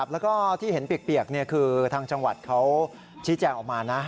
แล้วก็ที่เห็นเปียกคือทางจังหวัดเขาชี้แจงออกมานะ